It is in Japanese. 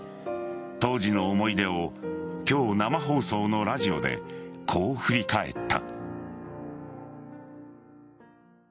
当時の思い出を今日、生放送のラジオでこう振り返った。